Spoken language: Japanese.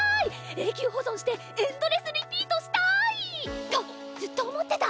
永久保存してエンドレスリピートしたい！とずっと思ってた。